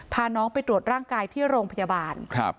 พาน้องไปตรวจร่างกายที่โรงพยาบาล